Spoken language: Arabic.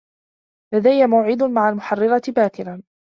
لديّ موعد مع المحرّرة باكر.